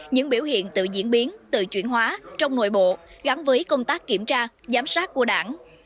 những biểu hiện tự diễn biến tự chuyển hóa trong nội bộ gắn với công tác kiểm tra giám sát của đảng